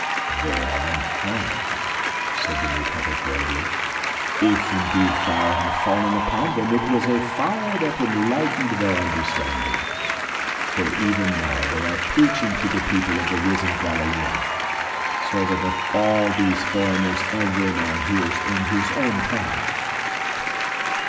"They are unharmed," said the newcomer gravely. "If, indeed, fire hath fallen upon them, it was a fire that enlightened their understanding, for even now they are preaching to the people of the risen Galilean, so that of all these foreigners every man hears in his own tongue."